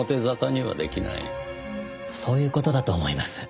そういう事だと思います。